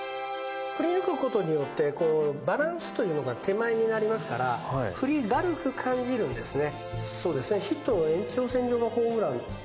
くり抜くことによってバランスが手前になりますから振り軽く感じるんですね。